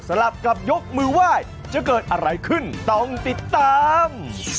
ลับกับยกมือไหว้จะเกิดอะไรขึ้นต้องติดตาม